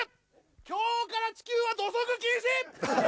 今日から地球は土足禁止！